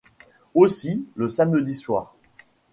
Aussi, le samedi soir